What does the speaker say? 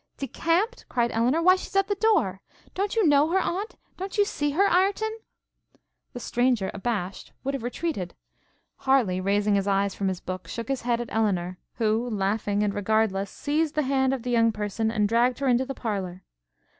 'Decamped?' cried Elinor, 'Why she's at the door! Don't you know her, Aunt? Don't you see her, Ireton?' The stranger, abashed, would have retreated. Harleigh, raising his eyes from his book, shook his head at Elinor, who, laughing and regardless, seized the hand of the young person, and dragged her into the parlour.